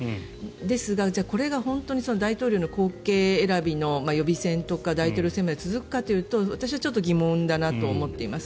ですが、これが本当に大統領の後継選びの予備選とか大統領選まで続くかというと私はちょっと疑問かなと思っています。